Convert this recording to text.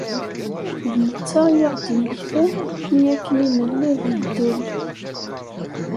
D netta i aɣ-d-immektan mi akken i nella di ddel.